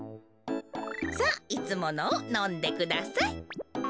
さあいつものをのんでください。